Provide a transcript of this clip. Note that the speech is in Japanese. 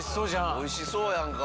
美味しそうやんか。